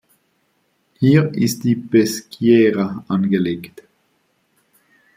Hier ist die "Peschiera" angelegt.